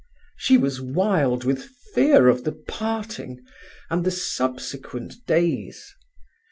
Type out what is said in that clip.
She was wild with fear of the parting and the subsequent days.